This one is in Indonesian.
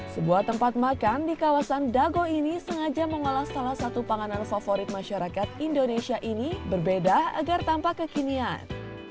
sebuah tempat makan di kawasan dago ini sengaja mengolah salah satu panganan favorit masyarakat indonesia ini berbeda agar tampak kekinian